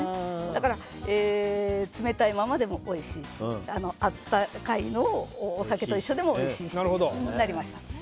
だから冷たいままでもおいしいし温かいのをお酒と一緒でもおいしいということになりました。